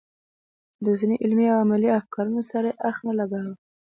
چې د اوسني علمي او عملي افکارو سره یې اړخ نه لګاوه.